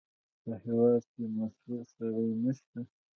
په هېواد کې مسوول سړی نشته.